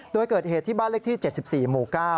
โดยเกิดเหตุที่บ้านเลขที่๗๔หมู่๙